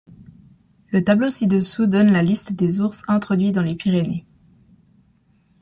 Le tableau ci-dessous donne la liste des ours introduits dans les Pyrénées.